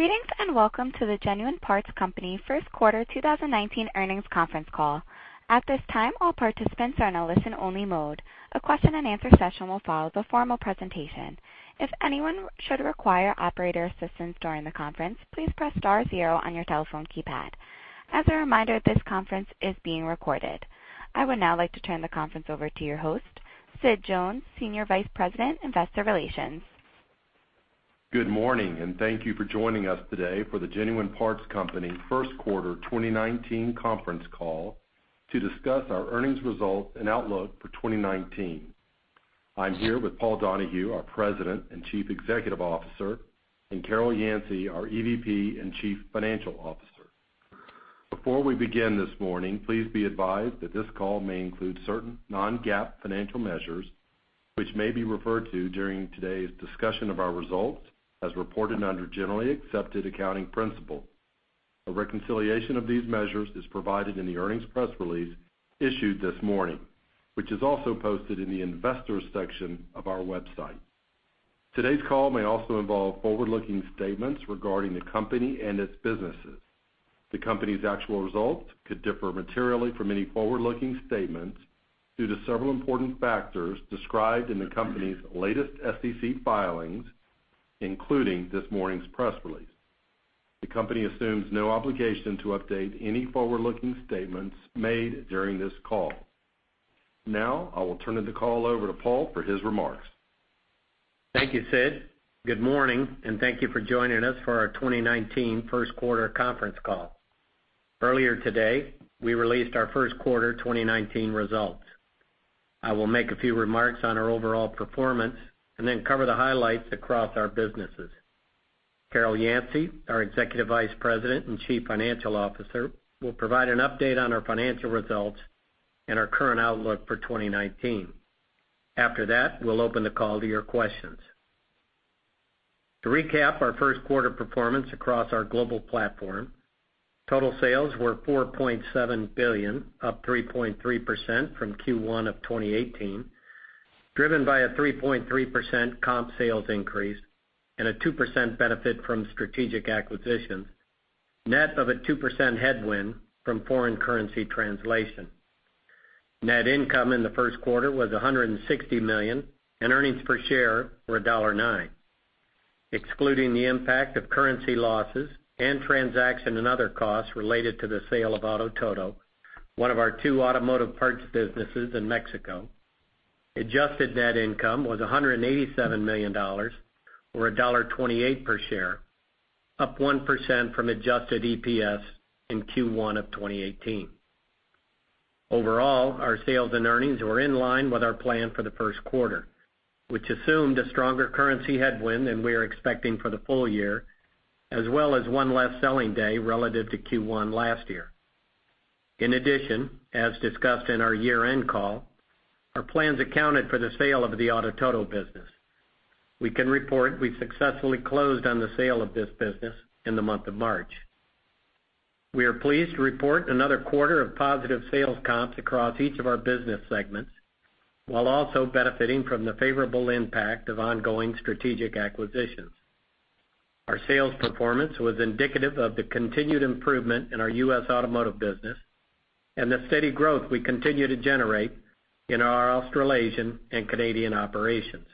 Greetings and welcome to the Genuine Parts Company first quarter 2019 earnings conference call. At this time, all participants are in a listen-only mode. A question and answer session will follow the formal presentation. If anyone should require operator assistance during the conference, please press star zero on your telephone keypad. As a reminder, this conference is being recorded. I would now like to turn the conference over to your host, Sid Jones, Senior Vice President, Investor Relations. Good morning, and thank you for joining us today for the Genuine Parts Company first quarter 2019 conference call to discuss our earnings results and outlook for 2019. I am here with Paul Donahue, our President and Chief Executive Officer, and Carol Yancey, our EVP and Chief Financial Officer. Before we begin this morning, please be advised that this call may include certain non-GAAP financial measures, which may be referred to during today's discussion of our results as reported under generally accepted accounting principles. A reconciliation of these measures is provided in the earnings press release issued this morning, which is also posted in the Investors section of our website. Today's call may also involve forward-looking statements regarding the company and its businesses. The company's actual results could differ materially from any forward-looking statements due to several important factors described in the company's latest SEC filings, including this morning's press release. The company assumes no obligation to update any forward-looking statements made during this call. Now, I will turn the call over to Paul for his remarks. Thank you, Sid. Good morning, and thank you for joining us for our 2019 first quarter conference call. Earlier today, we released our first quarter 2019 results. I will make a few remarks on our overall performance and then cover the highlights across our businesses. Carol Yancey, our Executive Vice President and Chief Financial Officer, will provide an update on our financial results and our current outlook for 2019. After that, we will open the call to your questions. To recap our first quarter performance across our global platform, total sales were $4.7 billion, up 3.3% from Q1 2018, driven by a 3.3% comp sales increase and a 2% benefit from strategic acquisitions, net of a 2% headwind from foreign currency translation. Net income in the first quarter was $160 million, and earnings per share were $1.9. Excluding the impact of currency losses and transaction and other costs related to the sale of Auto Todo, one of our two automotive parts businesses in Mexico, adjusted net income was $187 million, or $1.28 per share, up 1% from adjusted EPS in Q1 of 2018. Overall, our sales and earnings were in line with our plan for the first quarter, which assumed a stronger currency headwind than we are expecting for the full year, as well as one less selling day relative to Q1 last year. As discussed in our year-end call, our plans accounted for the sale of the Auto Todo business. We can report we successfully closed on the sale of this business in the month of March. We are pleased to report another quarter of positive sales comps across each of our business segments, while also benefiting from the favorable impact of ongoing strategic acquisitions. Our sales performance was indicative of the continued improvement in our U.S. automotive business and the steady growth we continue to generate in our Australasian and Canadian operations.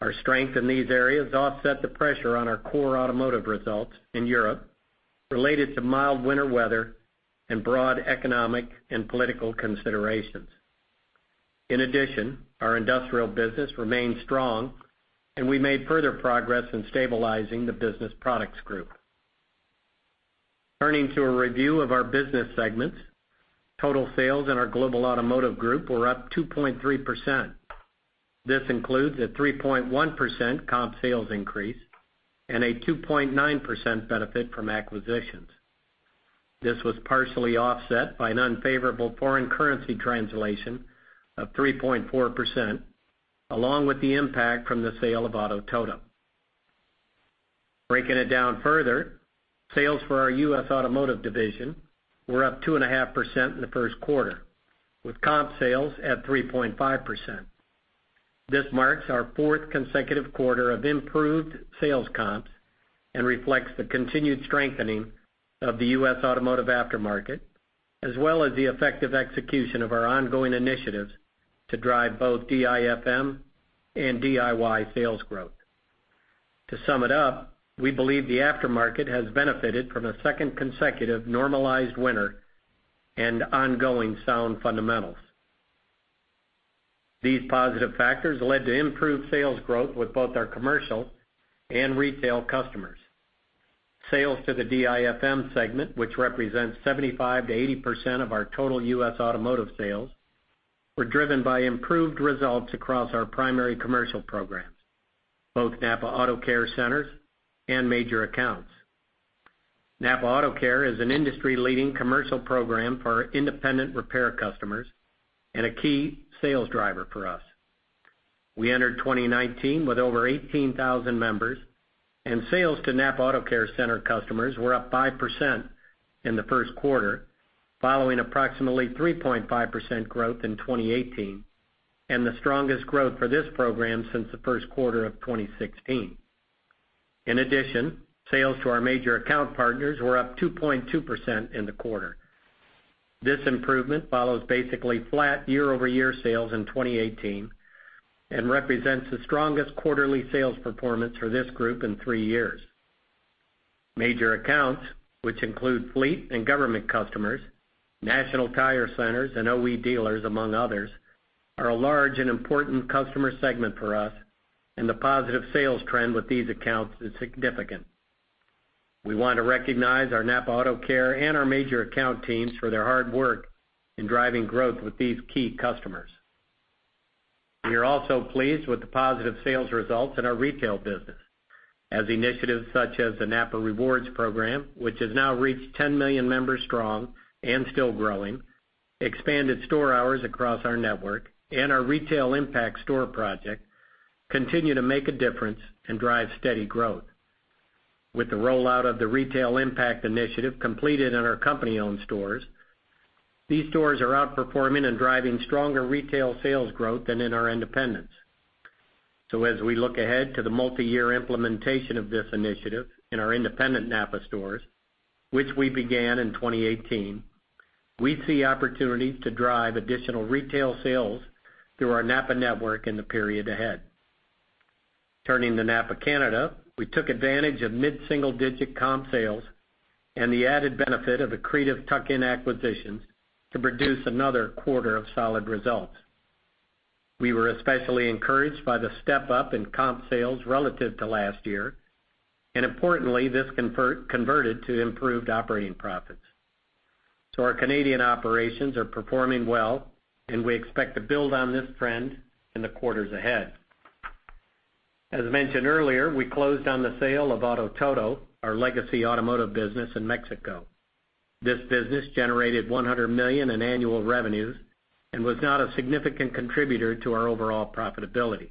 Our strength in these areas offset the pressure on our core automotive results in Europe related to mild winter weather and broad economic and political considerations. Our industrial business remained strong, and we made further progress in stabilizing the business products group. Turning to a review of our business segments, total sales in our Global Automotive Group were up 2.3%. This includes a 3.1% comp sales increase and a 2.9% benefit from acquisitions. This was partially offset by an unfavorable foreign currency translation of 3.4%, along with the impact from the sale of Auto Todo. Breaking it down further, sales for our U.S. Automotive division were up 2.5% in the first quarter, with comp sales at 3.5%. This marks our fourth consecutive quarter of improved sales comps and reflects the continued strengthening of the U.S. automotive aftermarket, as well as the effective execution of our ongoing initiatives to drive both DIFM and DIY sales growth. To sum it up, we believe the aftermarket has benefited from a second consecutive normalized winter and ongoing sound fundamentals. These positive factors led to improved sales growth with both our commercial and retail customers. Sales to the DIFM segment, which represents 75%-80% of our total U.S. automotive sales, were driven by improved results across our primary commercial programs, both NAPA AutoCare centers and major accounts. NAPA AutoCare is an industry-leading commercial program for our independent repair customers and a key sales driver for us. We entered 2019 with over 18,000 members. Sales to NAPA AutoCare Center customers were up 5% in the first quarter, following approximately 3.5% growth in 2018, and the strongest growth for this program since the first quarter of 2016. Sales to our major account partners were up 2.2% in the quarter. This improvement follows basically flat year-over-year sales in 2018, and represents the strongest quarterly sales performance for this group in three years. Major accounts, which include fleet and government customers, national tire centers, and OE dealers, among others, are a large and important customer segment for us, and the positive sales trend with these accounts is significant. We want to recognize our NAPA AutoCare and our major account teams for their hard work in driving growth with these key customers. We are also pleased with the positive sales results in our retail business, as initiatives such as the NAPA Rewards program, which has now reached 10 million members strong and still growing, expanded store hours across our network, and our Retail Impact Store project, continue to make a difference and drive steady growth. With the rollout of the Retail Impact initiative completed in our company-owned stores, these stores are outperforming and driving stronger retail sales growth than in our independents. As we look ahead to the multi-year implementation of this initiative in our independent NAPA stores, which we began in 2018, we see opportunities to drive additional retail sales through our NAPA network in the period ahead. Turning to NAPA Canada, we took advantage of mid-single-digit comp sales and the added benefit of accretive tuck-in acquisitions to produce another quarter of solid results. We were especially encouraged by the step-up in comp sales relative to last year. Importantly, this converted to improved operating profits. Our Canadian operations are performing well, and we expect to build on this trend in the quarters ahead. As mentioned earlier, we closed on the sale of Auto Todo, our legacy automotive business in Mexico. This business generated $100 million in annual revenues and was not a significant contributor to our overall profitability.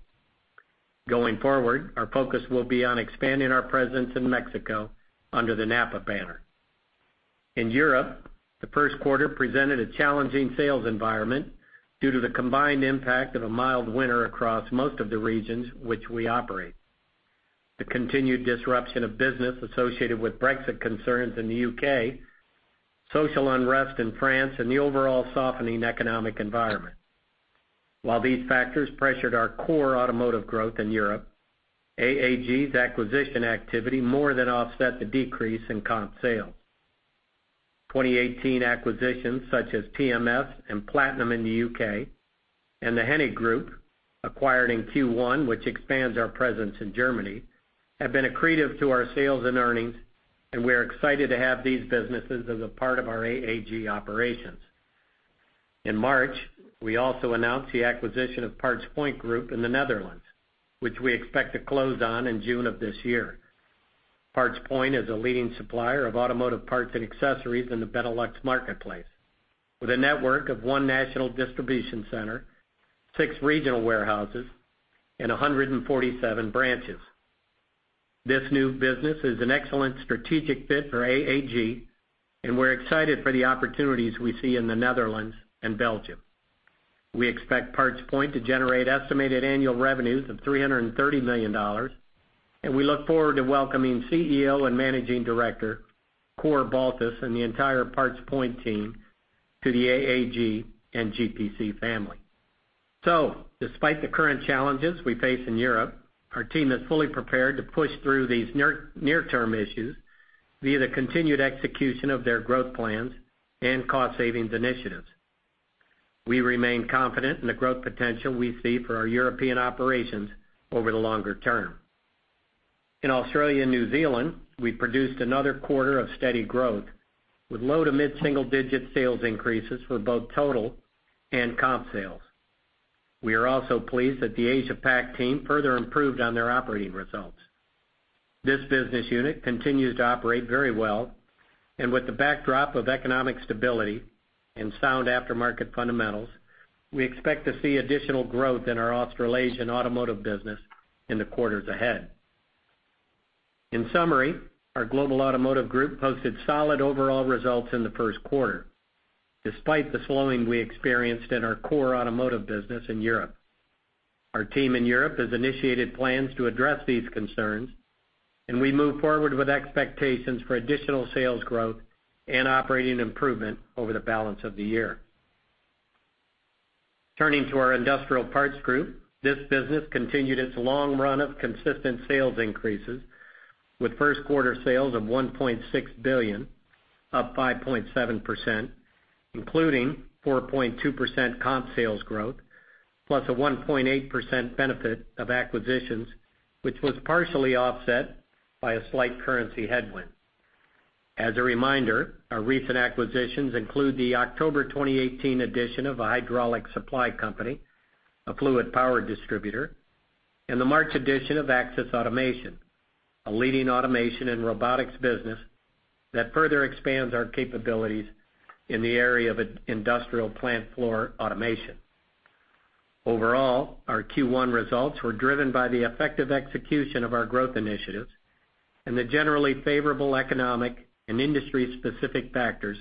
Going forward, our focus will be on expanding our presence in Mexico under the NAPA banner. In Europe, the first quarter presented a challenging sales environment due to the combined impact of a mild winter across most of the regions which we operate. The continued disruption of business associated with Brexit concerns in the U.K., social unrest in France, and the overall softening economic environment. While these factors pressured our core automotive growth in Europe, AAG's acquisition activity more than offset the decrease in comp sales. 2018 acquisitions such as TMS Motor Spares and Platinum in the U.K., and the Hennig Group, acquired in Q1, which expands our presence in Germany, have been accretive to our sales and earnings, and we're excited to have these businesses as a part of our AAG operations. In March, we also announced the acquisition of PartsPoint Group in the Netherlands, which we expect to close on in June of this year. PartsPoint is a leading supplier of automotive parts and accessories in the Benelux marketplace with a network of one national distribution center, six regional warehouses, and 147 branches. This new business is an excellent strategic fit for AAG, and we're excited for the opportunities we see in the Netherlands and Belgium. We expect PartsPoint to generate estimated annual revenues of $330 million, and we look forward to welcoming CEO and Managing Director Cor Baltus and the entire PartsPoint team to the AAG and GPC family. Despite the current challenges we face in Europe, our team is fully prepared to push through these near-term issues via the continued execution of their growth plans and cost savings initiatives. We remain confident in the growth potential we see for our European operations over the longer term. In Australia and New Zealand, we produced another quarter of steady growth with low to mid-single-digit sales increases for both total and comp sales. We are also pleased that the Asia Pac team further improved on their operating results. This business unit continues to operate very well. With the backdrop of economic stability and sound aftermarket fundamentals, we expect to see additional growth in our Australasian automotive business in the quarters ahead. In summary, our Global Automotive Group posted solid overall results in the first quarter, despite the slowing we experienced in our core automotive business in Europe. Our team in Europe has initiated plans to address these concerns. We move forward with expectations for additional sales growth and operating improvement over the balance of the year. Turning to our industrial parts group, this business continued its long run of consistent sales increases with first-quarter sales of $1.6 billion, up 5.7%, including 4.2% comp sales growth, plus a 1.8% benefit of acquisitions, which was partially offset by a slight currency headwind. As a reminder, our recent acquisitions include the October 2018 edition of Hydraulic Supply Company, a fluid power distributor, and the March edition of Axis Automation, a leading automation and robotics business that further expands our capabilities in the area of industrial plant floor automation. Overall, our Q1 results were driven by the effective execution of our growth initiatives and the generally favorable economic and industry-specific factors,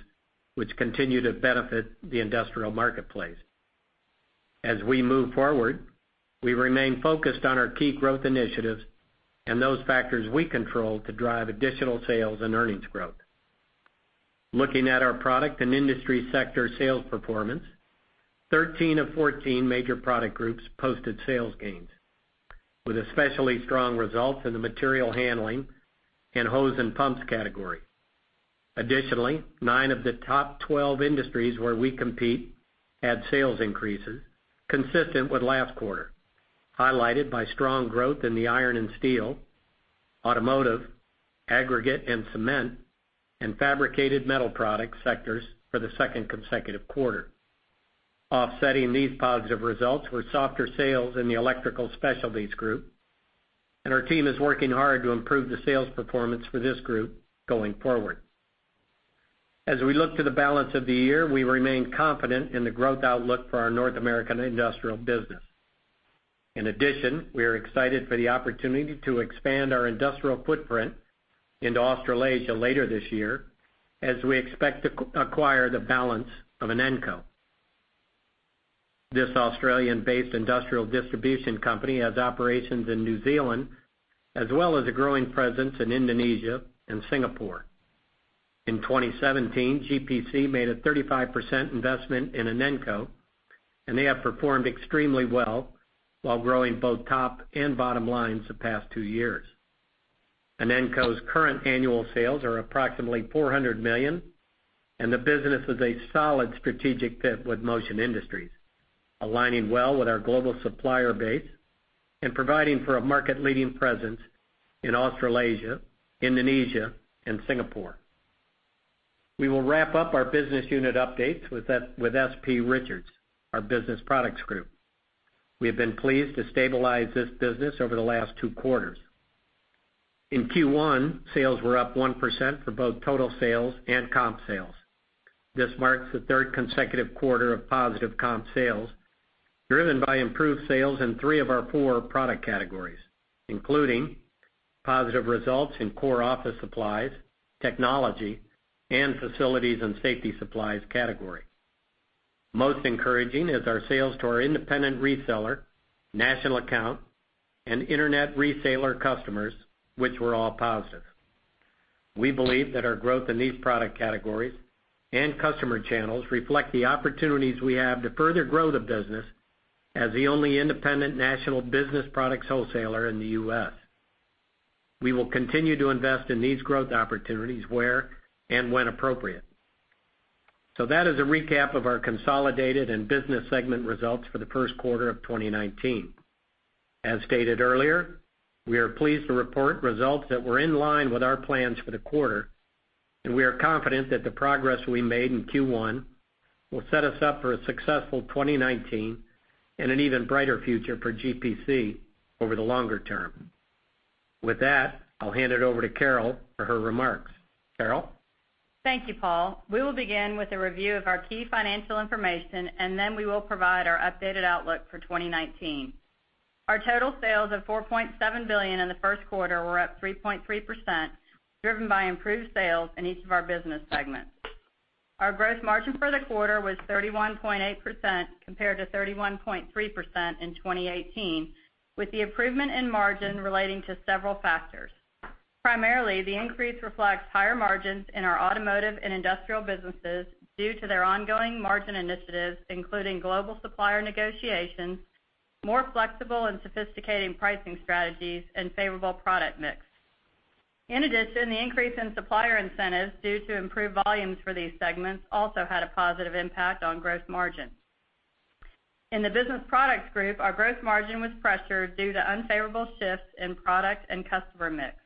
which continue to benefit the industrial marketplace. We move forward, we remain focused on our key growth initiatives and those factors we control to drive additional sales and earnings growth. Looking at our product and industry sector sales performance, 13 of 14 major product groups posted sales gains, with especially strong results in the material handling and hose and pumps category. Nine of the top 12 industries where we compete had sales increases consistent with last quarter, highlighted by strong growth in the iron and steel, automotive, aggregate and cement, and fabricated metal product sectors for the second consecutive quarter. Offsetting these positive results were softer sales in the electrical specialties group. Our team is working hard to improve the sales performance for this group going forward. We look to the balance of the year, we remain confident in the growth outlook for our North American industrial business. We are excited for the opportunity to expand our industrial footprint into Australasia later this year, as we expect to acquire the balance of Inenco. This Australian-based industrial distribution company has operations in New Zealand, as well as a growing presence in Indonesia and Singapore. In 2017, GPC made a 35% investment in Inenco. They have performed extremely well while growing both top and bottom lines the past two years. Inenco's current annual sales are approximately $400 million. The business is a solid strategic fit with Motion Industries, aligning well with our global supplier base and providing for a market-leading presence in Australasia, Indonesia, and Singapore. We will wrap up our business unit updates with S.P. Richards, our business products group. We have been pleased to stabilize this business over the last two quarters. In Q1, sales were up 1% for both total sales and comp sales. This marks the third consecutive quarter of positive comp sales, driven by improved sales in three of our four product categories, including positive results in core office supplies, technology, and facilities and safety supplies category. Most encouraging is our sales to our independent reseller, national account, and internet reseller customers, which were all positive. We believe that our growth in these product categories and customer channels reflect the opportunities we have to further grow the business as the only independent national business products wholesaler in the U.S. We will continue to invest in these growth opportunities where and when appropriate. That is a recap of our consolidated and business segment results for the first quarter of 2019. As stated earlier, we are pleased to report results that were in line with our plans for the quarter, and we are confident that the progress we made in Q1 will set us up for a successful 2019 and an even brighter future for GPC over the longer term. With that, I'll hand it over to Carol for her remarks. Carol? Thank you, Paul. We will begin with a review of our key financial information, and then we will provide our updated outlook for 2019. Our total sales of $4.7 billion in the first quarter were up 3.3%, driven by improved sales in each of our business segments. Our gross margin for the quarter was 31.8%, compared to 31.3% in 2018, with the improvement in margin relating to several factors. Primarily, the increase reflects higher margins in our automotive and industrial businesses due to their ongoing margin initiatives, including global supplier negotiations, more flexible and sophisticated pricing strategies, and favorable product mix. In addition, the increase in supplier incentives due to improved volumes for these segments also had a positive impact on gross margin. In the business products group, our gross margin was pressured due to unfavorable shifts in product and customer mix.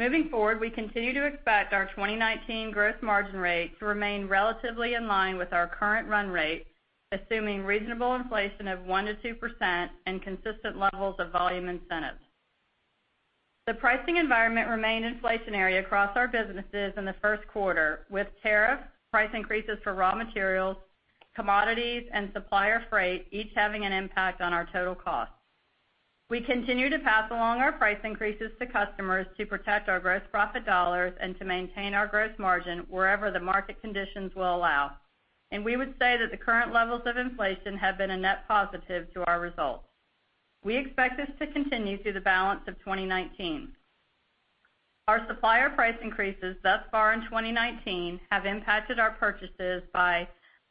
Moving forward, we continue to expect our 2019 gross margin rate to remain relatively in line with our current run rate, assuming reasonable inflation of 1% to 2% and consistent levels of volume incentives. The pricing environment remained inflationary across our businesses in the first quarter, with tariff, price increases for raw materials, commodities, and supplier freight each having an impact on our total cost. We continue to pass along our price increases to customers to protect our gross profit dollars and to maintain our gross margin wherever the market conditions will allow. We would say that the current levels of inflation have been a net positive to our results. We expect this to continue through the balance of 2019. Our supplier price increases thus far in 2019 have impacted our purchases by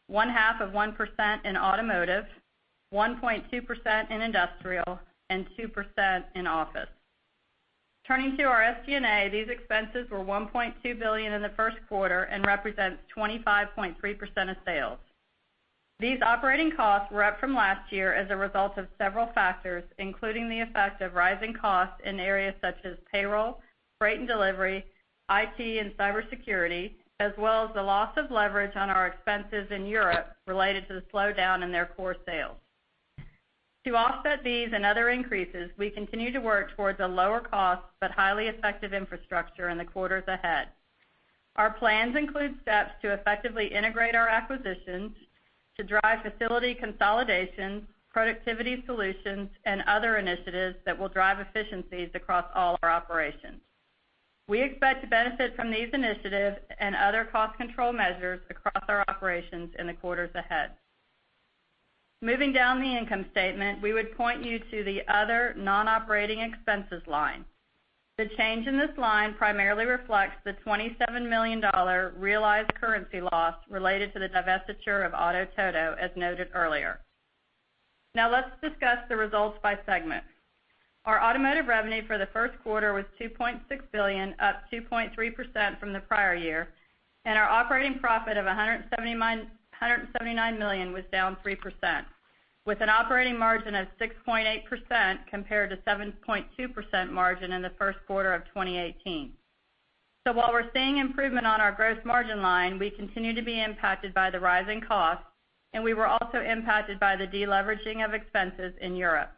one half of 1% in automotive, 1.2% in industrial, and 2% in office. Turning to our SG&A, these expenses were $1.2 billion in the first quarter and represent 25.3% of sales. These operating costs were up from last year as a result of several factors, including the effect of rising costs in areas such as payroll, freight and delivery, IT and cybersecurity, as well as the loss of leverage on our expenses in Europe related to the slowdown in their core sales. To offset these and other increases, we continue to work towards a lower cost but highly effective infrastructure in the quarters ahead. Our plans include steps to effectively integrate our acquisitions to drive facility consolidation, productivity solutions, and other initiatives that will drive efficiencies across all our operations. We expect to benefit from these initiatives and other cost control measures across our operations in the quarters ahead. Moving down the income statement, we would point you to the other non-operating expenses line. The change in this line primarily reflects the $27 million realized currency loss related to the divestiture of Auto Todo, as noted earlier. Let's discuss the results by segment. Our automotive revenue for the first quarter was $2.6 billion, up 2.3% from the prior year, and our operating profit of $179 million was down 3%, with an operating margin of 6.8% compared to 7.2% margin in the first quarter of 2018. While we're seeing improvement on our gross margin line, we continue to be impacted by the rising costs, and we were also impacted by the de-leveraging of expenses in Europe.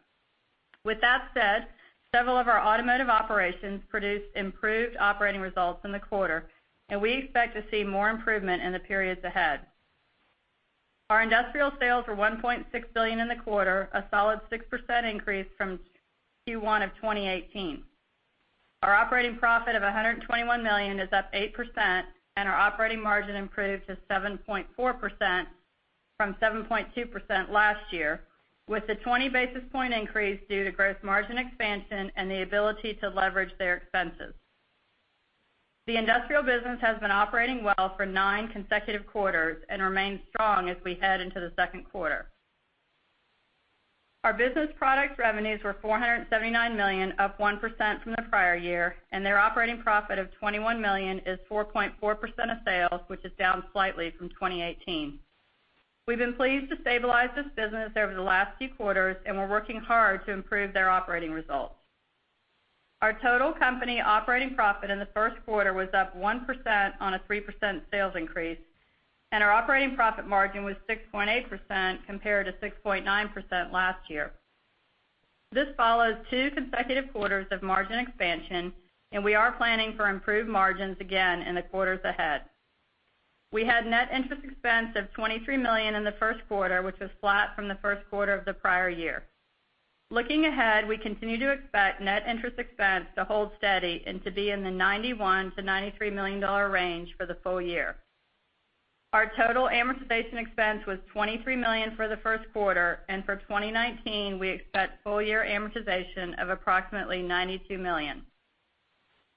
With that said, several of our automotive operations produced improved operating results in the quarter, and we expect to see more improvement in the periods ahead. Our industrial sales were $1.6 billion in the quarter, a solid 6% increase from Q1 of 2018. Our operating profit of $121 million is up 8%, and our operating margin improved to 7.4% from 7.2% last year, with the 20 basis point increase due to gross margin expansion and the ability to leverage their expenses. The industrial business has been operating well for nine consecutive quarters and remains strong as we head into the second quarter. Our business product revenues were $479 million, up 1% from the prior year, and their operating profit of $21 million is 4.4% of sales, which is down slightly from 2018. We've been pleased to stabilize this business over the last few quarters, and we're working hard to improve their operating results. Our total company operating profit in the first quarter was up 1% on a 3% sales increase, and our operating profit margin was 6.8% compared to 6.9% last year. This follows two consecutive quarters of margin expansion. We are planning for improved margins again in the quarters ahead. We had net interest expense of $23 million in the first quarter, which was flat from the first quarter of the prior year. Looking ahead, we continue to expect net interest expense to hold steady and to be in the $91 million-$93 million range for the full year. Our total amortization expense was $23 million for the first quarter, and for 2019, we expect full year amortization of approximately $92 million.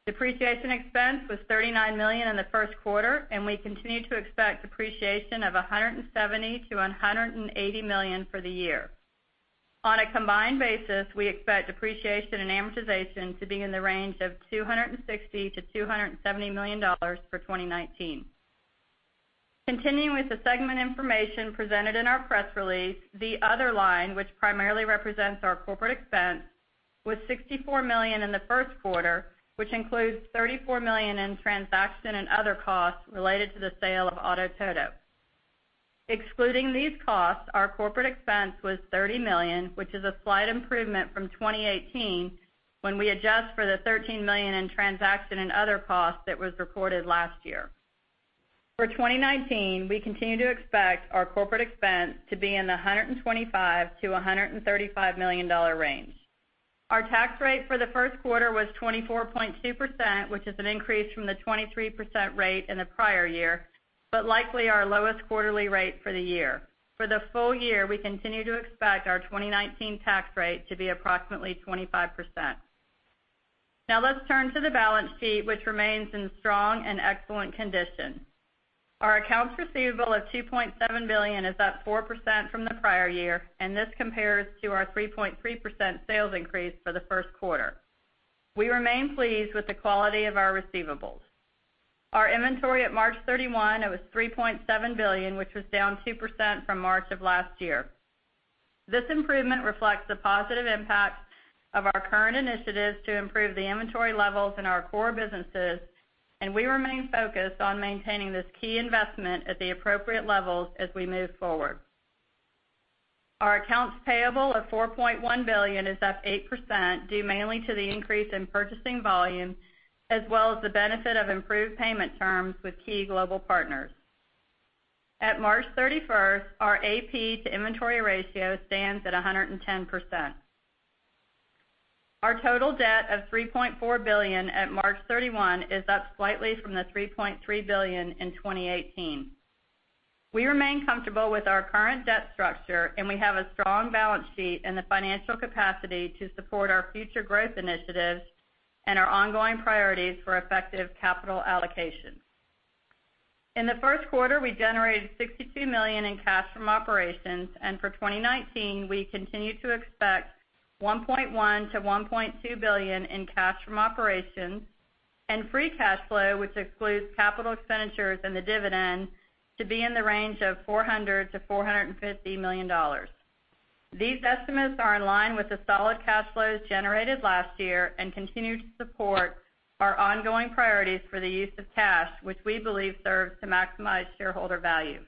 Depreciation expense was $39 million in the first quarter, and we continue to expect depreciation of $170 million-$180 million for the year. On a combined basis, we expect depreciation and amortization to be in the range of $260 million-$270 million for 2019. Continuing with the segment information presented in our press release, the other line, which primarily represents our corporate expense, was $64 million in the first quarter, which includes $34 million in transaction and other costs related to the sale of Auto Todo. Excluding these costs, our corporate expense was $30 million, which is a slight improvement from 2018 when we adjust for the $13 million in transaction and other costs that was recorded last year. For 2019, we continue to expect our corporate expense to be in the $125 million-$135 million range. Our tax rate for the first quarter was 24.2%, which is an increase from the 23% rate in the prior year, but likely our lowest quarterly rate for the year. For the full year, we continue to expect our 2019 tax rate to be approximately 25%. Let's turn to the balance sheet, which remains in strong and excellent condition. Our accounts receivable of $2.7 billion is up 4% from the prior year, and this compares to our 3.3% sales increase for the first quarter. We remain pleased with the quality of our receivables. Our inventory at March 31, it was $3.7 billion, which was down 2% from March of last year. This improvement reflects the positive impact of our current initiatives to improve the inventory levels in our core businesses. We remain focused on maintaining this key investment at the appropriate levels as we move forward. Our accounts payable of $4.1 billion is up 8%, due mainly to the increase in purchasing volume, as well as the benefit of improved payment terms with key global partners. At March 31, our AP to inventory ratio stands at 110%. Our total debt of $3.4 billion at March 31 is up slightly from the $3.3 billion in 2018. We remain comfortable with our current debt structure. We have a strong balance sheet and the financial capacity to support our future growth initiatives and our ongoing priorities for effective capital allocation. In the first quarter, we generated $62 million in cash from operations. For 2019, we continue to expect $1.1 billion to $1.2 billion in cash from operations and free cash flow, which excludes capital expenditures and the dividend, to be in the range of $400 million to $450 million. These estimates are in line with the solid cash flows generated last year and continue to support our ongoing priorities for the use of cash, which we believe serves to maximize shareholder value.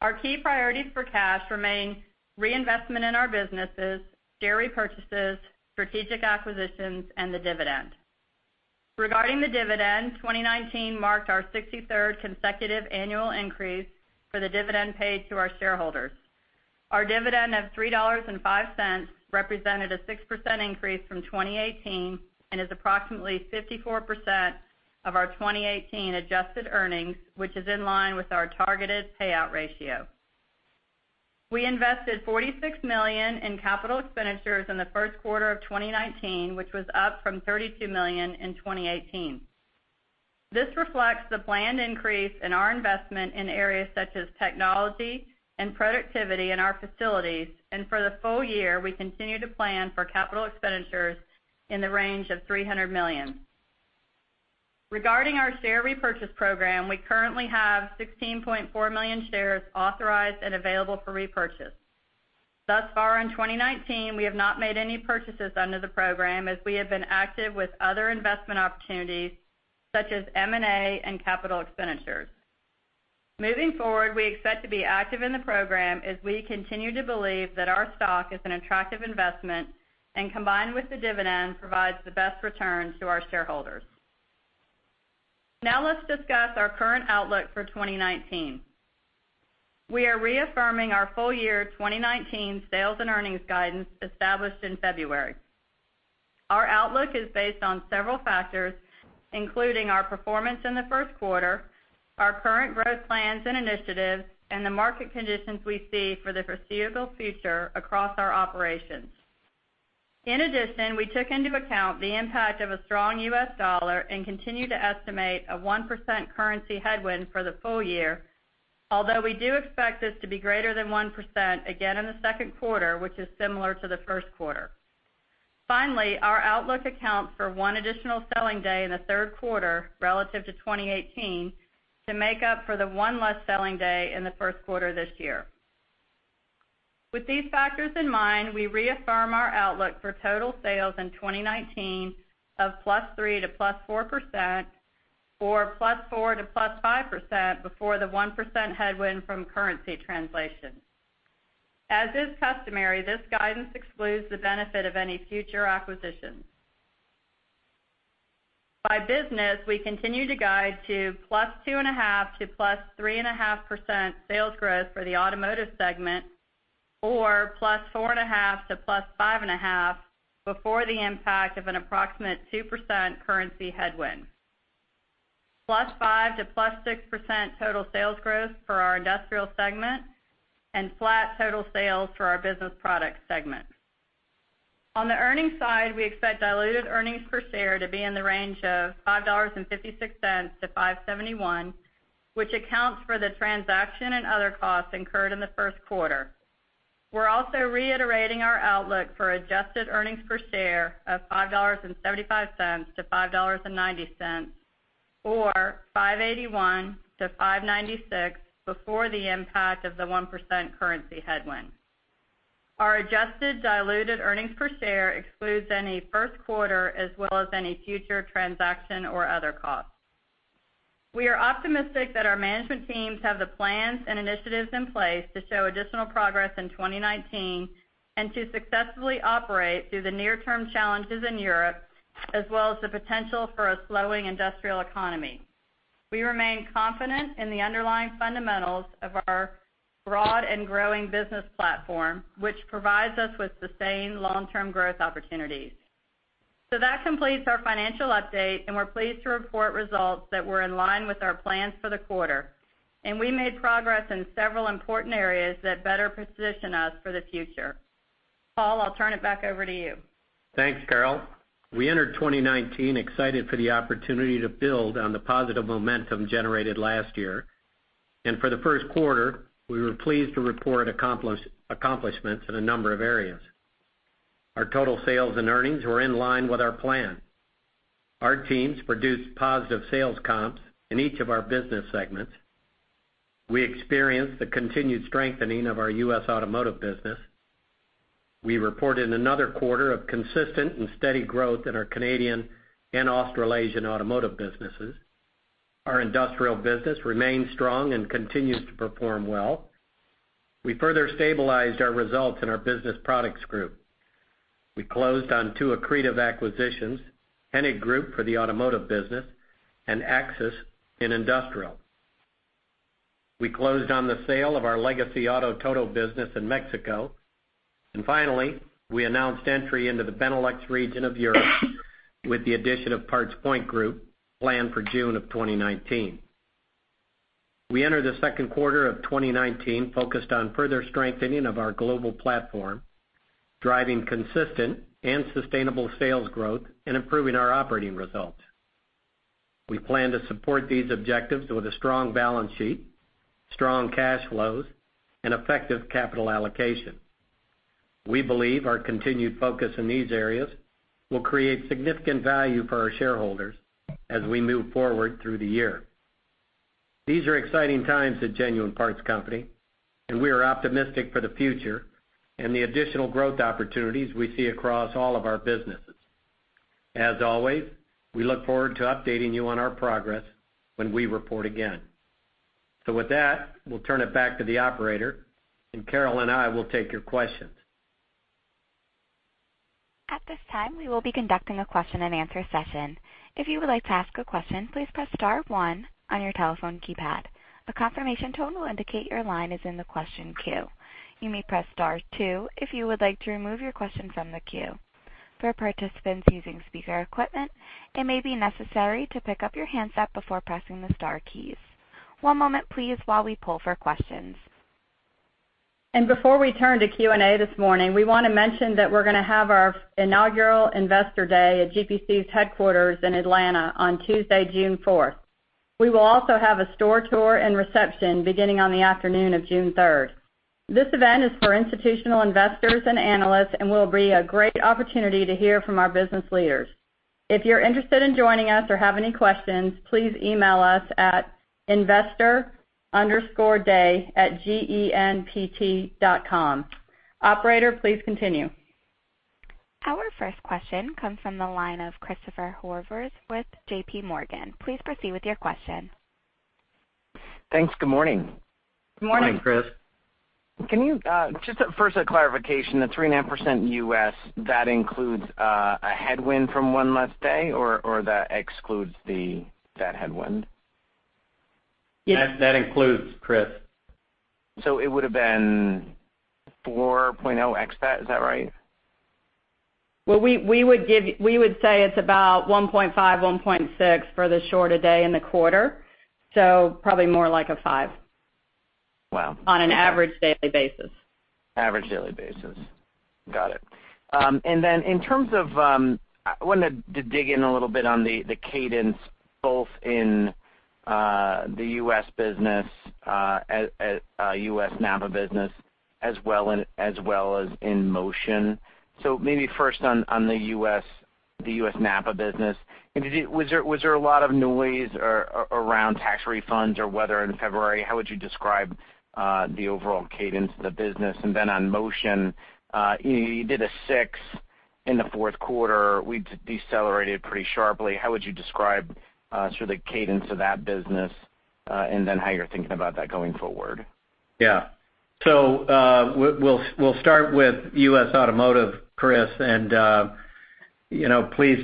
Our key priorities for cash remain reinvestment in our businesses, share repurchases, strategic acquisitions, and the dividend. Regarding the dividend, 2019 marked our 63rd consecutive annual increase for the dividend paid to our shareholders. Our dividend of $3.05 represented a 6% increase from 2018, and is approximately 54% of our 2018 adjusted earnings, which is in line with our targeted payout ratio. We invested $46 million in capital expenditures in the first quarter of 2019, which was up from $32 million in 2018. This reflects the planned increase in our investment in areas such as technology and productivity in our facilities. For the full year, we continue to plan for capital expenditures in the range of $300 million. Regarding our share repurchase program, we currently have 16.4 million shares authorized and available for repurchase. Thus far in 2019, we have not made any purchases under the program, as we have been active with other investment opportunities such as M&A and capital expenditures. Moving forward, we expect to be active in the program, as we continue to believe that our stock is an attractive investment and, combined with the dividend, provides the best return to our shareholders. Let's discuss our current outlook for 2019. We are reaffirming our full year 2019 sales and earnings guidance established in February. Our outlook is based on several factors, including our performance in the first quarter, our current growth plans and initiatives, and the market conditions we see for the foreseeable future across our operations. In addition, we took into account the impact of a strong U.S. dollar and continue to estimate a 1% currency headwind for the full year, although we do expect this to be greater than 1% again in the second quarter, which is similar to the first quarter. Finally, our outlook accounts for one additional selling day in the third quarter relative to 2018 to make up for the one less selling day in the first quarter of this year. With these factors in mind, we reaffirm our outlook for total sales in 2019 of +3% to +4%, or +4% to +5% before the 1% headwind from currency translation. As is customary, this guidance excludes the benefit of any future acquisitions. By business, we continue to guide to +2.5% to +3.5% sales growth for the automotive segment, or +4.5% to +5.5% before the impact of an approximate 2% currency headwind. +5% to +6% total sales growth for our industrial segment, and flat total sales for our business product segment. On the earnings side, we expect diluted earnings per share to be in the range of $5.56 to $5.71, which accounts for the transaction and other costs incurred in the first quarter. We are also reiterating our outlook for adjusted earnings per share of $5.75 to $5.90, or $5.81 to $5.96 before the impact of the 1% currency headwind. Our adjusted diluted earnings per share excludes any first quarter, as well as any future transaction or other costs. We are optimistic that our management teams have the plans and initiatives in place to show additional progress in 2019, and to successfully operate through the near-term challenges in Europe, as well as the potential for a slowing industrial economy. We remain confident in the underlying fundamentals of our broad and growing business platform, which provides us with sustained long-term growth opportunities. That completes our financial update, and we are pleased to report results that were in line with our plans for the quarter. And we made progress in several important areas that better position us for the future. Paul, I'll turn it back over to you. Thanks, Carol. We entered 2019 excited for the opportunity to build on the positive momentum generated last year. For the first quarter, we were pleased to report accomplishments in a number of areas. Our total sales and earnings were in line with our plan. Our teams produced positive sales comps in each of our business segments. We experienced the continued strengthening of our U.S. automotive business. We reported another quarter of consistent and steady growth in our Canadian and Australasian automotive businesses. Our industrial business remains strong and continues to perform well. We further stabilized our results in our business products group. We closed on two accretive acquisitions, Hennig Group for the automotive business and Axis in industrial. We closed on the sale of our legacy Auto Todo business in Mexico. Finally, we announced entry into the Benelux region of Europe with the addition of PartsPoint Group planned for June of 2019. We enter the second quarter of 2019 focused on further strengthening of our global platform, driving consistent and sustainable sales growth, and improving our operating results. We plan to support these objectives with a strong balance sheet, strong cash flows, and effective capital allocation. We believe our continued focus in these areas will create significant value for our shareholders as we move forward through the year. These are exciting times at Genuine Parts Company, and we are optimistic for the future and the additional growth opportunities we see across all of our businesses. As always, we look forward to updating you on our progress when we report again. With that, we'll turn it back to the operator, and Carol and I will take your questions. At this time, we will be conducting a question and answer session. If you would like to ask a question, please press star one on your telephone keypad. A confirmation tone will indicate your line is in the question queue. You may press star two if you would like to remove your question from the queue. For participants using speaker equipment, it may be necessary to pick up your handset before pressing the star keys. One moment please while we pull for questions. Before we turn to Q&A this morning, we want to mention that we're going to have our inaugural Investor Day at GPC's headquarters in Atlanta on Tuesday, June 4th. We will also have a store tour and reception beginning on the afternoon of June 3rd. This event is for institutional investors and analysts and will be a great opportunity to hear from our business leaders. If you're interested in joining us or have any questions, please email us at investor_day@genpt.com. Operator, please continue. Our first question comes from the line of Christopher Horvers with JP Morgan. Please proceed with your question. Thanks. Good morning. Good morning. Good morning, Chris. Can you, just first a clarification, the 3.5% U.S., that includes a headwind from one less day, or that excludes that headwind? Yes. That includes, Chris. It would've been 4.0 EBIT, is that right? We would say it's about 1.5, 1.6 for the shorter day in the quarter, probably more like a five. Wow, okay. On an average daily basis. Average daily basis. Got it. In terms of, I wanted to dig in a little bit on the cadence both in the U.S. business, U.S. NAPA business as well as in Motion. Maybe first on the U.S. NAPA business. Was there a lot of noise around tax refunds or weather in February? How would you describe the overall cadence of the business? On Motion, you did a six in the fourth quarter. We decelerated pretty sharply. How would you describe sort of the cadence of that business, how you're thinking about that going forward? We'll start with U.S. Automotive, Chris, pleased to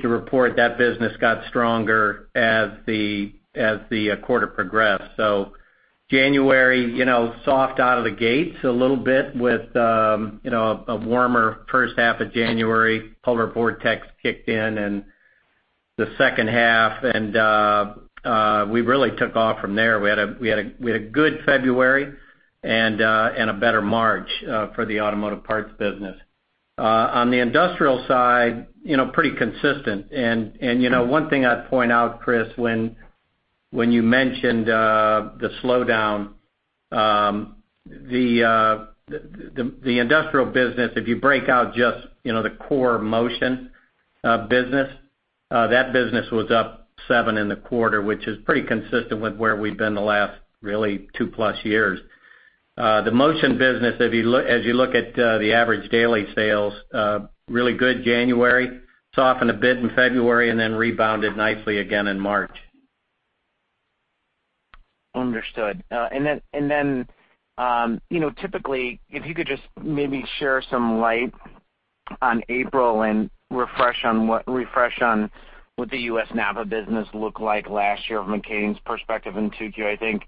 report that business got stronger as the quarter progressed. January, soft out of the gates a little bit with a warmer first half of January. Polar vortex kicked in in the second half, we really took off from there. We had a good February and a better March for the automotive parts business. On the industrial side, pretty consistent. One thing I'd point out, Chris, when you mentioned the slowdown, the industrial business, if you break out just the core Motion business, that business was up seven in the quarter, which is pretty consistent with where we've been the last really two-plus years. The Motion business, as you look at the average daily sales, really good January, softened a bit in February, rebounded nicely again in March. Understood. Typically, if you could just maybe share some light on April and refresh on what the U.S. NAPA business looked like last year from a cadence perspective in 2Q. I think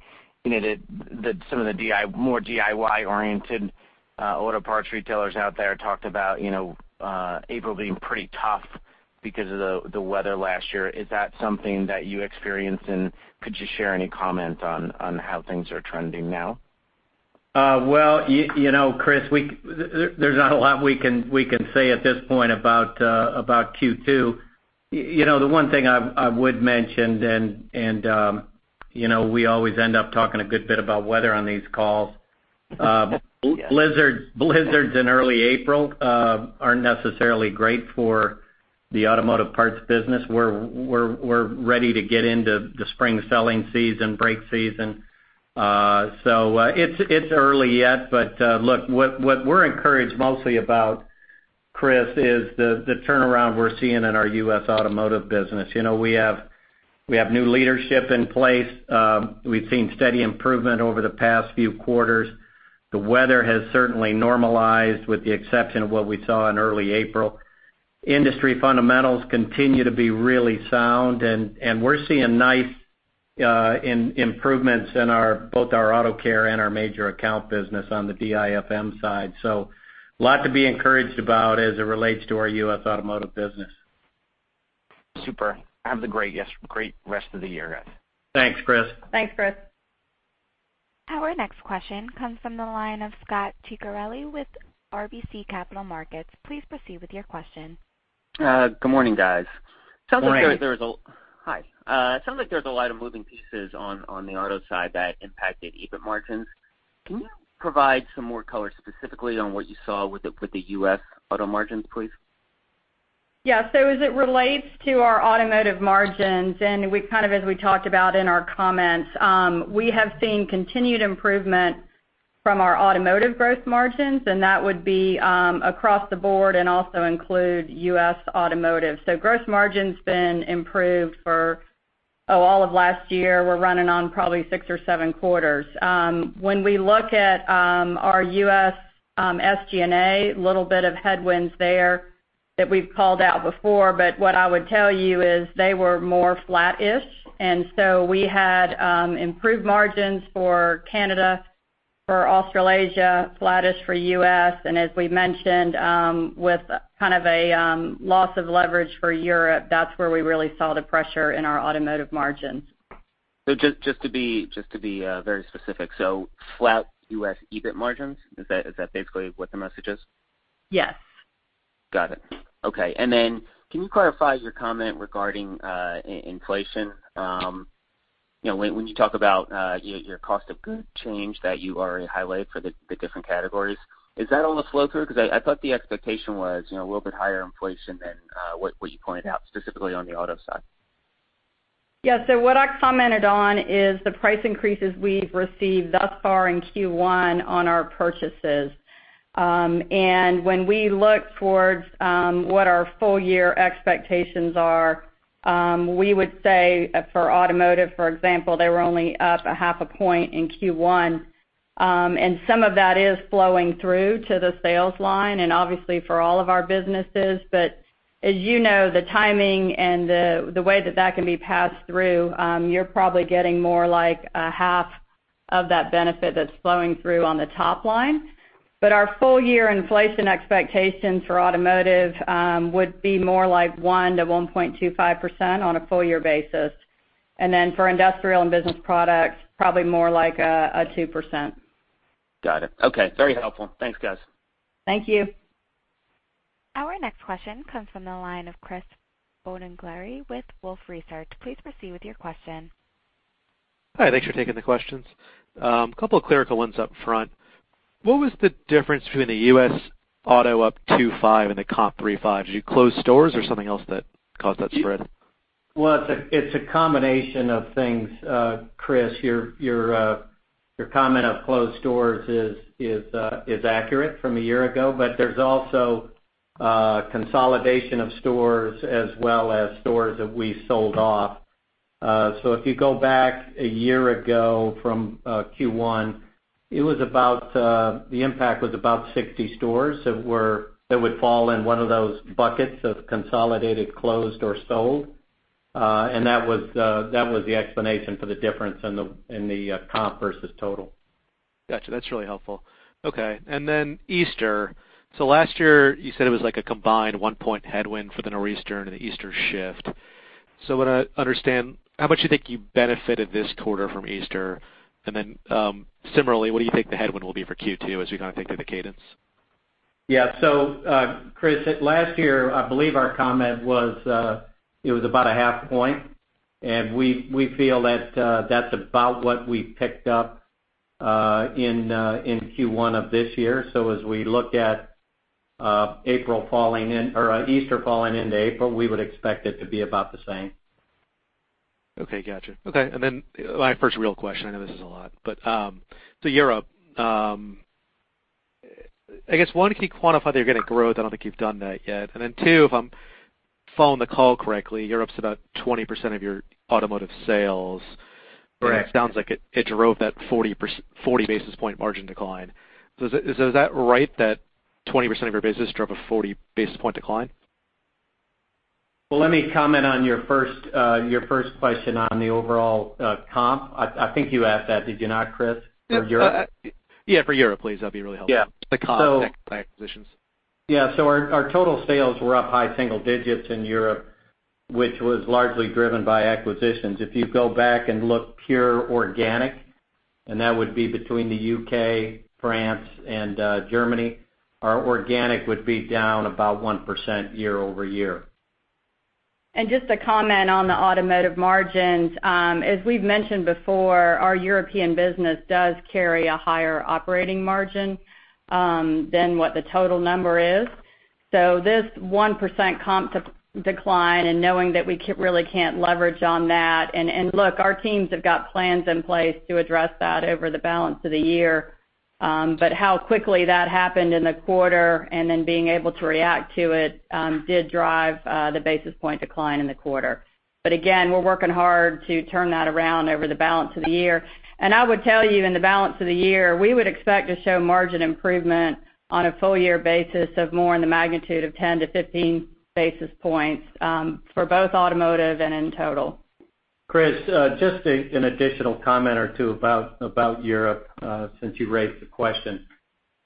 that some of the more DIY-oriented auto parts retailers out there talked about April being pretty tough because of the weather last year. Is that something that you experienced, and could you share any comments on how things are trending now? Well, Chris, there's not a lot we can say at this point about Q2. The one thing I would mention, we always end up talking a good bit about weather on these calls. Blizzards in early April aren't necessarily great for the automotive parts business, we're ready to get into the spring selling season, break season. It's early yet, but, look, what we're encouraged mostly about, Chris, is the turnaround we're seeing in our U.S. automotive business. We have new leadership in place. We've seen steady improvement over the past few quarters. The weather has certainly normalized with the exception of what we saw in early April. Industry fundamentals continue to be really sound, and we're seeing nice improvements in both our NAPA AutoCare and our major account business on the DIFM side. A lot to be encouraged about as it relates to our U.S. automotive business. Super. Have a great rest of the year, guys. Thanks, Chris. Thanks, Chris. Our next question comes from the line of Scot Ciccarelli with RBC Capital Markets. Please proceed with your question. Good morning, guys. Morning. Hi. Sounds like there's a lot of moving pieces on the auto side that impacted EBIT margins. Can you provide some more color specifically on what you saw with the U.S. auto margins, please? Yeah. As it relates to our automotive margins, and kind of as we talked about in our comments, we have seen continued improvement from our automotive growth margins, and that would be across the board and also include U.S. automotive. Gross margin's been improved for all of last year. We're running on probably six or seven quarters. When we look at our U.S. SG&A, little bit of headwinds there that we've called out before. What I would tell you is they were more flat-ish. We had improved margins for Canada, for Australasia, flat-ish for U.S., and as we mentioned, with kind of a loss of leverage for Europe. That's where we really saw the pressure in our automotive margins. Just to be very specific, flat U.S. EBIT margins, is that basically what the message is? Yes. Got it. Okay. Can you clarify your comment regarding inflation? When you talk about your cost of goods change that you already highlighted for the different categories, is that on the flow-through? Because I thought the expectation was a little bit higher inflation than what you pointed out, specifically on the auto side. Yeah. What I commented on is the price increases we've received thus far in Q1 on our purchases. When we look towards what our full year expectations are, we would say, for automotive, for example, they were only up a half a point in Q1. Some of that is flowing through to the sales line and obviously for all of our businesses. As you know, the timing and the way that that can be passed through, you're probably getting more like a half of that benefit that's flowing through on the top line. Our full year inflation expectations for automotive would be more like 1%-1.25% on a full year basis. Then for industrial and business products, probably more like a 2%. Got it. Okay. Very helpful. Thanks, guys. Thank you. Our next question comes from the line of Chris Bottiglieri with Wolfe Research. Please proceed with your question. Hi. Thanks for taking the questions. Couple of clerical ones up front. What was the difference between the U.S. auto up 2.5 and the comp 3.5s? Did you close stores or something else that caused that spread? It's a combination of things, Chris. Your comment of closed stores is accurate from a year ago. There's also consolidation of stores as well as stores that we sold off. If you go back a year ago from Q1, the impact was about 60 stores that would fall in one of those buckets of consolidated, closed, or sold. That was the explanation for the difference in the comp versus total. Got you. That's really helpful. Okay. Easter. Last year, you said it was like a combined one point headwind for the Nor'easter and the Easter shift. I want to understand, how much do you think you benefited this quarter from Easter? Then, similarly, what do you think the headwind will be for Q2 as you kind of think through the cadence? Yeah. Chris, last year, I believe our comment was it was about a half point. We feel that's about what we picked up in Q1 of this year. As we look at Easter falling into April, we would expect it to be about the same. Okay, got you. Okay. My first real question, I know this is a lot, Europe. I guess, one, can you quantify their organic growth? I don't think you've done that yet. Then, two, if I'm following the call correctly, Europe's about 20% of your automotive sales. Correct. It sounds like it drove that 40 basis point margin decline. Is that right that 20% of your business drove a 40 basis point decline? Well, let me comment on your first question on the overall comp. I think you asked that, did you not, Chris? For Europe? Yeah, for Europe, please. That'd be really helpful. Yeah. The comp, excluding acquisitions. Yeah. Our total sales were up high single digits in Europe, which was largely driven by acquisitions. If you go back and look pure organic, and that would be between the U.K., France, and Germany, our organic would be down about 1% year-over-year. Just to comment on the automotive margins. As we've mentioned before, our European business does carry a higher operating margin than what the total number is. This 1% comp decline and knowing that we really can't leverage on that, look, our teams have got plans in place to address that over the balance of the year. How quickly that happened in the quarter and then being able to react to it, did drive the basis point decline in the quarter. Again, we're working hard to turn that around over the balance of the year. I would tell you, in the balance of the year, we would expect to show margin improvement on a full year basis of more in the magnitude of 10 to 15 basis points for both automotive and in total. Chris, just an additional comment or two about Europe, since you raised the question.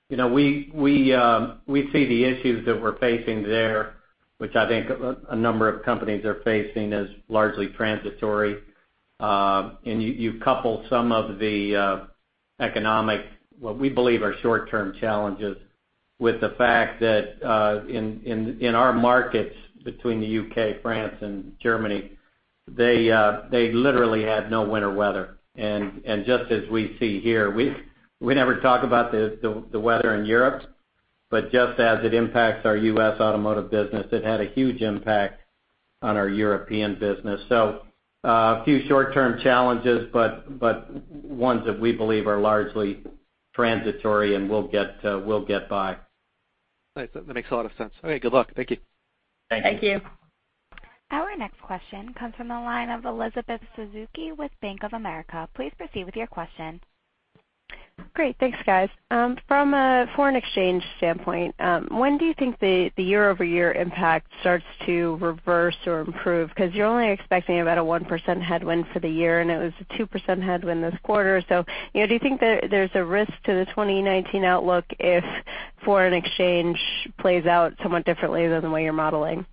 We see the issues that we're facing there, which I think a number of companies are facing as largely transitory. You couple some of the economic, what we believe are short-term challenges, with the fact that in our markets between the U.K., France, and Germany, they literally had no winter weather. Just as we see here, we never talk about the weather in Europe, but just as it impacts our U.S. automotive business, it had a huge impact on our European business. A few short-term challenges, but ones that we believe are largely transitory, and we'll get by. Nice. That makes a lot of sense. Okay, good luck. Thank you. Thank you. Thank you. Our next question comes from the line of Elizabeth Suzuki with Bank of America. Please proceed with your question. Great. Thanks, guys. From a foreign exchange standpoint, when do you think the year-over-year impact starts to reverse or improve? Because you're only expecting about a 1% headwind for the year, and it was a 2% headwind this quarter. Do you think there's a risk to the 2019 outlook if foreign exchange plays out somewhat differently than the way you're modeling?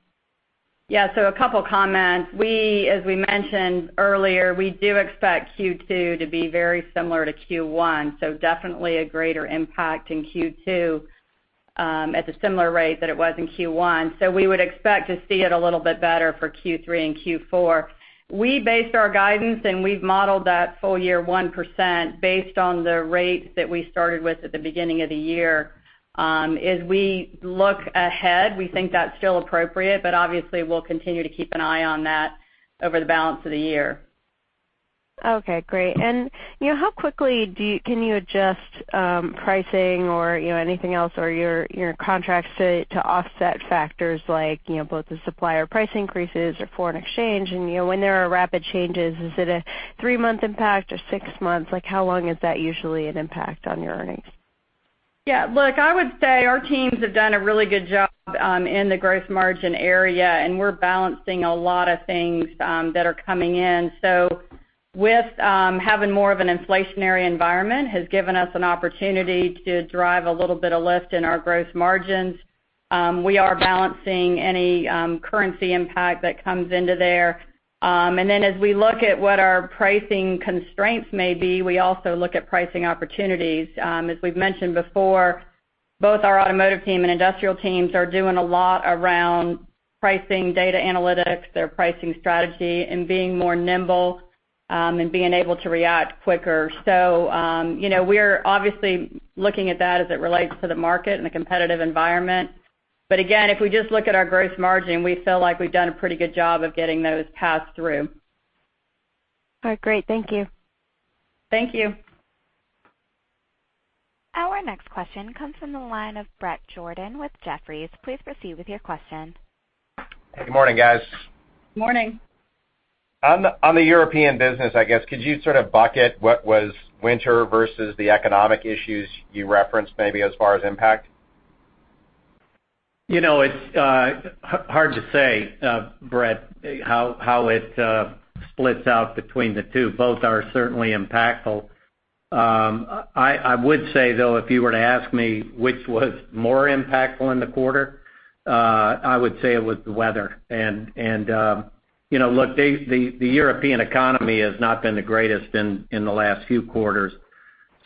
Yeah. A couple comments. As we mentioned earlier, we do expect Q2 to be very similar to Q1, definitely a greater impact in Q2 at the similar rate that it was in Q1. We would expect to see it a little bit better for Q3 and Q4. We based our guidance, and we've modeled that full year 1% based on the rates that we started with at the beginning of the year. As we look ahead, we think that's still appropriate, but obviously, we'll continue to keep an eye on that over the balance of the year. Okay, great. How quickly can you adjust pricing or anything else or your contracts to offset factors like both the supplier price increases or foreign exchange? When there are rapid changes, is it a 3-month impact or 6 months? How long is that usually an impact on your earnings? Yeah, look, I would say our teams have done a really good job in the gross margin area, we're balancing a lot of things that are coming in. With having more of an inflationary environment has given us an opportunity to drive a little bit of lift in our gross margins. We are balancing any currency impact that comes into there. As we look at what our pricing constraints may be, we also look at pricing opportunities. As we've mentioned before, both our automotive team and industrial teams are doing a lot around pricing data analytics, their pricing strategy, and being more nimble and being able to react quicker. We're obviously looking at that as it relates to the market and the competitive environment. Again, if we just look at our gross margin, we feel like we've done a pretty good job of getting those passed through. All right. Great. Thank you. Thank you. Our next question comes from the line of Bret Jordan with Jefferies. Please proceed with your question. Good morning, guys. Morning. On the European business, I guess, could you sort of bucket what was winter versus the economic issues you referenced, maybe as far as impact? It's hard to say, Bret, how it splits out between the two. Both are certainly impactful. I would say, though, if you were to ask me which was more impactful in the quarter, I would say it was the weather. Look, the European economy has not been the greatest in the last few quarters.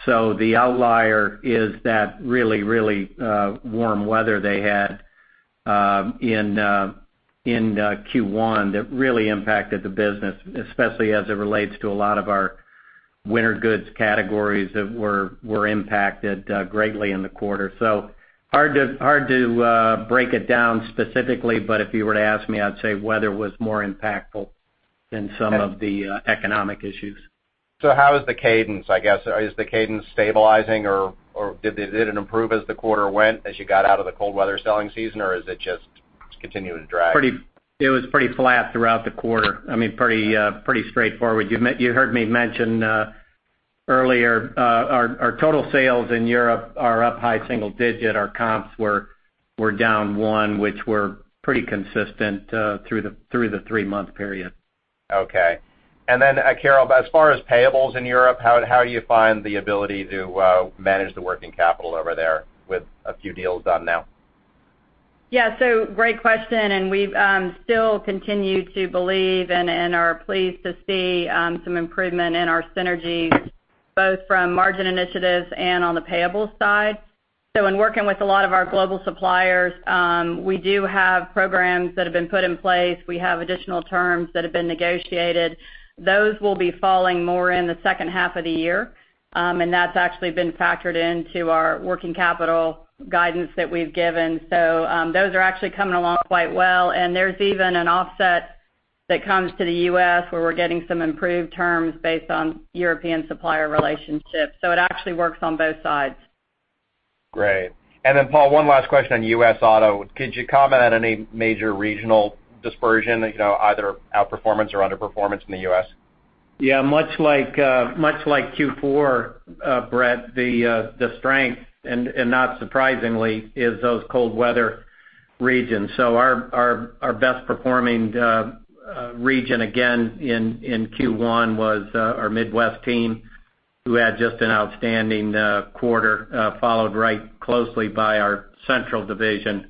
The outlier is that really warm weather they had in Q1 that really impacted the business, especially as it relates to a lot of our winter goods categories that were impacted greatly in the quarter. Hard to break it down specifically, but if you were to ask me, I'd say weather was more impactful than some of the economic issues. How is the cadence? I guess, is the cadence stabilizing, or did it improve as the quarter went, as you got out of the cold weather selling season, or is it just continuing to drag? It was pretty flat throughout the quarter. I mean, pretty straightforward. You heard me mention earlier, our total sales in Europe are up high single digit. Our comps were down one, which were pretty consistent through the three-month period. Okay. Then, Carol, as far as payables in Europe, how do you find the ability to manage the working capital over there with a few deals done now? Yeah. Great question, and we still continue to believe and are pleased to see some improvement in our synergies, both from margin initiatives and on the payables side. In working with a lot of our global suppliers, we do have programs that have been put in place. We have additional terms that have been negotiated. Those will be falling more in the second half of the year. That's actually been factored into our working capital guidance that we've given. Those are actually coming along quite well, and there's even an offset that comes to the U.S. where we're getting some improved terms based on European supplier relationships. It actually works on both sides. Great. Paul, one last question on U.S. Auto. Could you comment on any major regional dispersion, either outperformance or underperformance in the U.S.? Yeah. Much like Q4, Bret, the strength, and not surprisingly, is those cold weather regions. Our best performing region again in Q1 was our Midwest team, who had just an outstanding quarter, followed right closely by our Central division.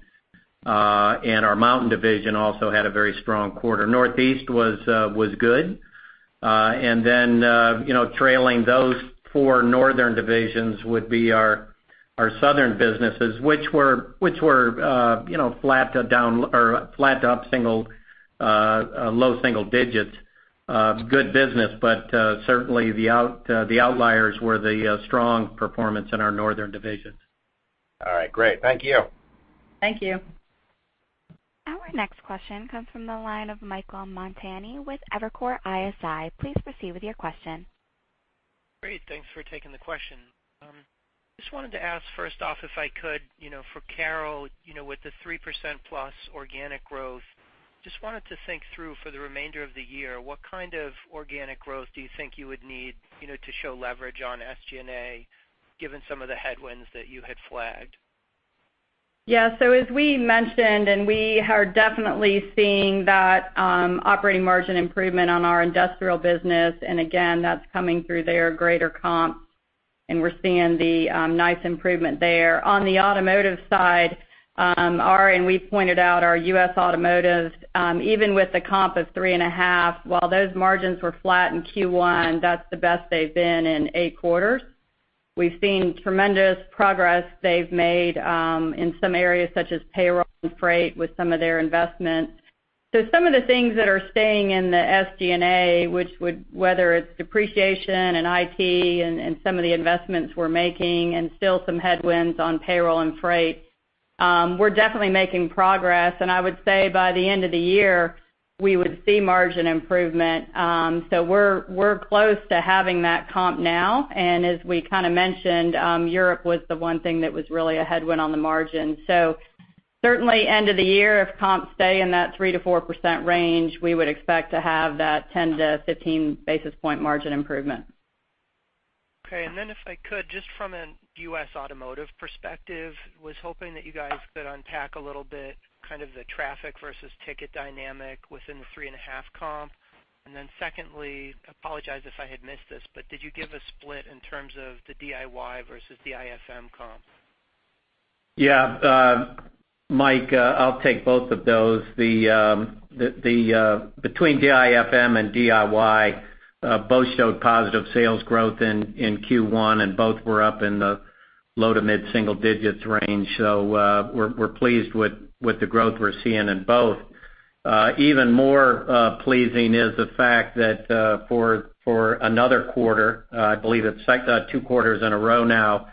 Our Mountain division also had a very strong quarter. Northeast was good. Trailing those four northern divisions would be our southern businesses, which were flat to up low single digits. Good business, but certainly the outliers were the strong performance in our northern divisions. All right, great. Thank you. Thank you. Our next question comes from the line of Michael Montani with Evercore ISI. Please proceed with your question. Great. Thanks for taking the question. Just wanted to ask first off, if I could, for Carol, with the 3% plus organic growth, just wanted to think through for the remainder of the year, what kind of organic growth do you think you would need to show leverage on SG&A, given some of the headwinds that you had flagged? As we mentioned, we are definitely seeing that operating margin improvement on our industrial business, again, that's coming through their greater comps, we're seeing the nice improvement there. On the automotive side, we've pointed out our U.S. Automotive, even with the comp of 3.5%, while those margins were flat in Q1, that's the best they've been in 8 quarters. We've seen tremendous progress they've made, in some areas such as payroll and freight with some of their investments. Some of the things that are staying in the SG&A, whether it's depreciation and IT and some of the investments we're making, still some headwinds on payroll and freight, we're definitely making progress, and I would say by the end of the year, we would see margin improvement. We're close to having that comp now, as we kind of mentioned, Europe was the one thing that was really a headwind on the margin. Certainly end of the year, if comps stay in that 3%-4% range, we would expect to have that 10 to 15 basis point margin improvement. Okay, if I could, just from a U.S. Automotive perspective, was hoping that you guys could unpack a little bit kind of the traffic versus ticket dynamic within the 3.5 comp. Secondly, apologize if I had missed this, but did you give a split in terms of the DIY versus DIFM comp? Yeah. Mike, I'll take both of those. Between DIFM and DIY, both showed positive sales growth in Q1, both were up in the low to mid single-digits range. We're pleased with the growth we're seeing in both. Even more pleasing is the fact that, for another quarter, I believe it's 2 quarters in a row now,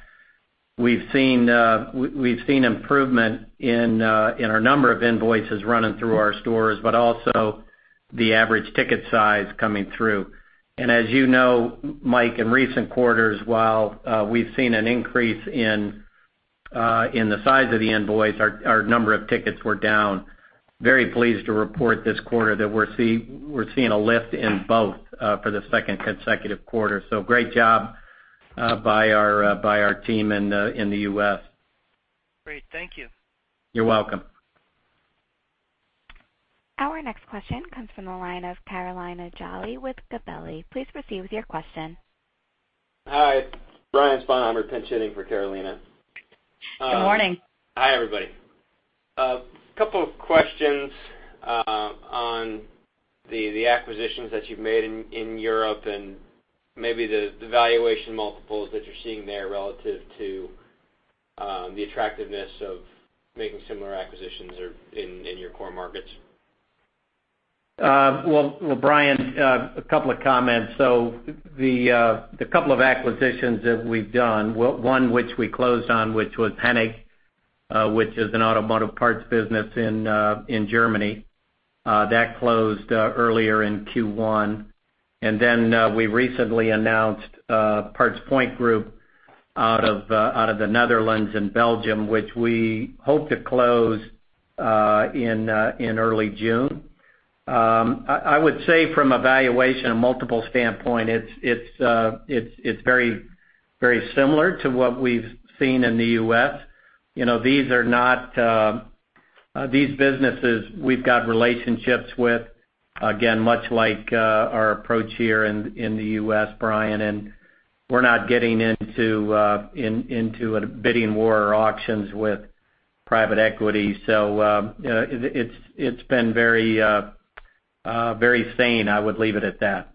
we've seen improvement in our number of invoices running through our stores, but also the average ticket size coming through. As you know, Mike, in recent quarters, while we've seen an increase in the size of the invoice, our number of tickets were down. Very pleased to report this quarter that we're seeing a lift in both for the second consecutive quarter. Great job by our team in the U.S. Great. Thank you. You're welcome. Our next question comes from the line of Carolina Jolly with Gabelli. Please proceed with your question. Hi. Brian Spanheimer pinch hitting for Carolina. Good morning. Hi, everybody. Couple of questions on the acquisitions that you've made in Europe and maybe the valuation multiples that you're seeing there relative to the attractiveness of making similar acquisitions in your core markets. Well, Brian, a couple of comments. The couple of acquisitions that we've done, one which we closed on, which was Hennig, which is an automotive parts business in Germany, that closed earlier in Q1. Then, we recently announced PartsPoint Group out of the Netherlands and Belgium, which we hope to close in early June. I would say from a valuation multiple standpoint, it's very similar to what we've seen in the U.S. These businesses we've got relationships with, again, much like our approach here in the U.S., Brian, we're not getting into a bidding war or auctions with private equity. It's been very sane. I would leave it at that.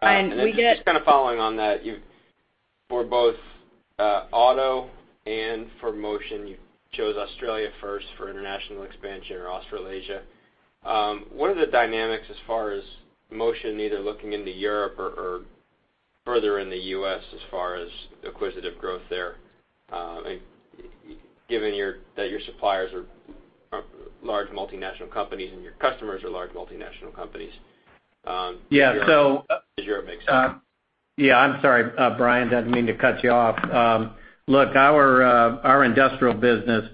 Brian, we get- Just kind of following on that, for both auto and for Motion, you chose Australia first for international expansion or Australasia. What are the dynamics as far as Motion either looking into Europe or further in the U.S. as far as acquisitive growth there, given that your suppliers are large multinational companies and your customers are large multinational companies as your mix- Yeah. I'm sorry, Brian, didn't mean to cut you off. Look, our industrial business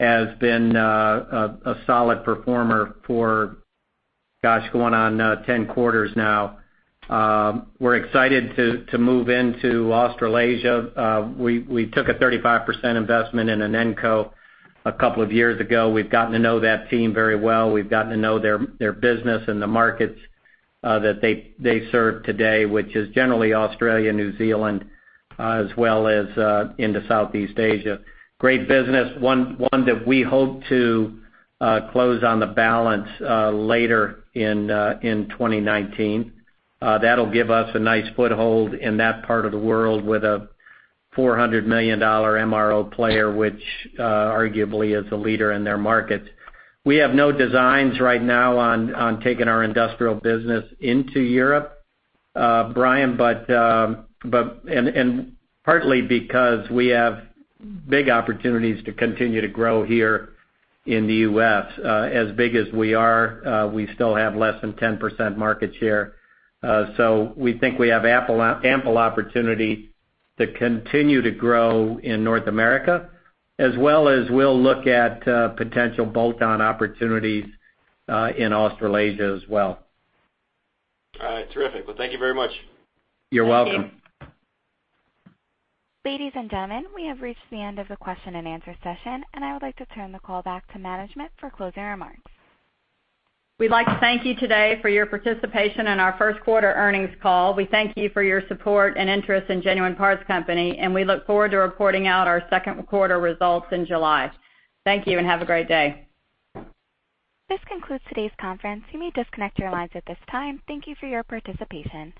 has been a solid performer for, gosh, going on 10 quarters now. We're excited to move into Australasia. We took a 35% investment in Inenco a couple of years ago. We've gotten to know that team very well. We've gotten to know their business and the markets that they serve today, which is generally Australia, New Zealand, as well as into Southeast Asia. Great business, one that we hope to close on the balance later in 2019. That'll give us a nice foothold in that part of the world with a $400 million MRO player, which arguably is a leader in their markets. We have no designs right now on taking our industrial business into Europe, Brian, partly because we have big opportunities to continue to grow here in the U.S. As big as we are, we still have less than 10% market share. We think we have ample opportunity to continue to grow in North America, as well as we'll look at potential bolt-on opportunities, in Australasia as well. All right. Terrific. Well, thank you very much. You're welcome. Thank you. Ladies and gentlemen, we have reached the end of the question and answer session. I would like to turn the call back to management for closing remarks. We'd like to thank you today for your participation in our first quarter earnings call. We thank you for your support and interest in Genuine Parts Company. We look forward to reporting out our second quarter results in July. Thank you and have a great day. This concludes today's conference. You may disconnect your lines at this time. Thank you for your participation.